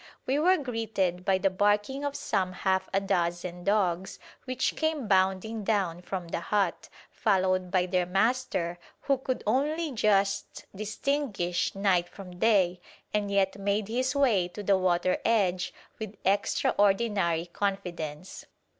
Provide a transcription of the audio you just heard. We were greeted by the barking of some half a dozen dogs which came bounding down from the hut, followed by their master who could only just distinguish night from day, and yet made his way to the water edge with extraordinary confidence.